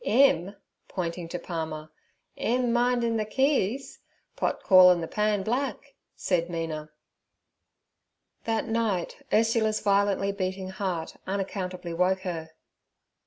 "Im'—pointing to Palmer—"im mindin' the keys!—pot callin' the pan black' said Mina. That night Ursula's violently beating heart unaccountably woke her.